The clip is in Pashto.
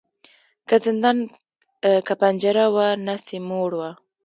که زندان که پنجره وه نس یې موړ وو